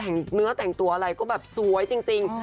แต่งเนื้อแต่งตัวอะไรก็แบบสวยจริง